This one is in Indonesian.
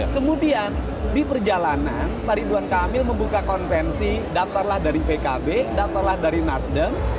kemudian di perjalanan pak ridwan kamil membuka konvensi daftarlah dari pkb daftarlah dari nasdem